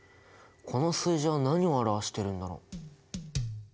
この数字は何を表してるんだろう？